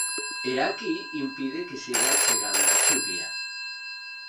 E aquí impide que siga chegando a chuvia.